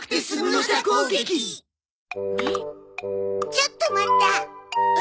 ちょっと待った！え？